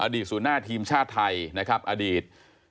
อ่ออดีตสู่หน้าทีมชาติไทยนะครับอดีต